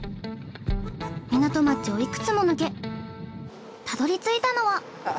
港町をいくつも抜けたどり着いたのは。